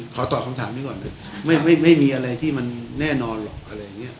ขอตอบคำถามนี้ก่อนเถอะไม่มีอะไรที่มันแน่นอนหรอกอะไรอย่างนี้